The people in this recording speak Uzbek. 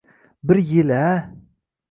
Bir yil-a!